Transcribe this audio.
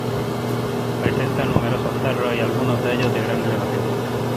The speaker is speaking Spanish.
Presenta numerosos cerros y algunos de ellos de gran elevación.